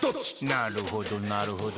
なるほどなるほど。